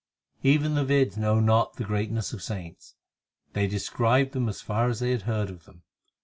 8 Even the Veds know not the greatness of saints ; They described them as far as they had heard of them.